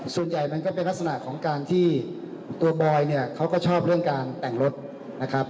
มันก็เป็นลักษณะของการที่ตัวบอยเนี่ยเขาก็ชอบเรื่องการแต่งรถนะครับ